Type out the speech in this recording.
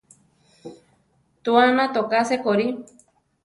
Tuána toká sekorí.